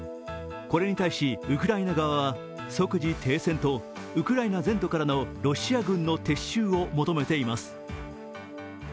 これに対し、ウクライナ側は即時停戦とウクライナ全土からのロシア軍の撤収を求めています。